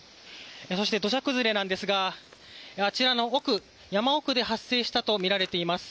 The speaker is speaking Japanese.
そして土砂崩れなんですがあちらの山奥で発生したとみられています。